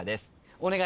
お願い